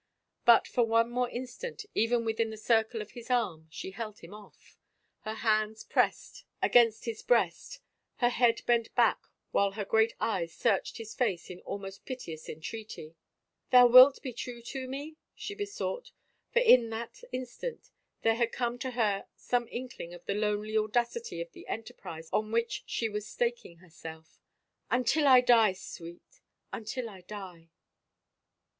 But for one more instant, even within the circle of his arm, she held him off, her hands pressed against his III THE FAVOR OF KINGS breast, her head bent back while her great eyes searched his face in almost piteous entreaty. " Thou wilt be true to me ?" she besought, for in that instant there had come to her some inkling of the lonely audacity of the enterprise on which she was staking herself. " Until I die, Sweet. ... Until I die."